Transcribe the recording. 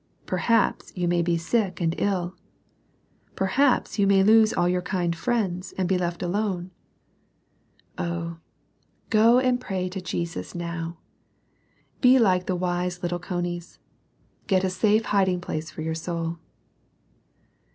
Perhaps you may be sick and ill. Perhaps you may lose all your kind friends, and be left alone. Oh, go and pray to Jesus now ! Be like the wise little conies. Get a safe hiding place for your soul.